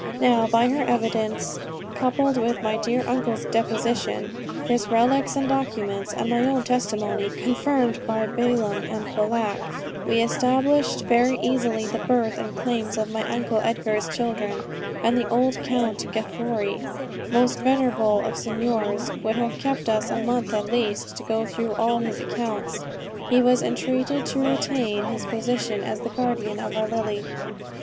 Now, by her evidence, coupled with my dear Uncle's deposition, his relics, and documents, and my own testimony, confirmed by Balaam and Balak, we established very easily the birth and the claims of my Uncle Edgar's children; and the old Count Gaffori, most venerable of signors, would have kept us a month at least to go through all his accounts. He was entreated to retain his position as the guardian of our Lily.